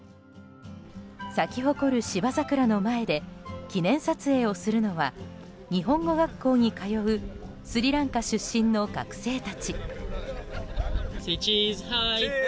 咲き誇る芝桜の前で記念撮影をするのは日本語学校に通うスリランカ出身の学生たち。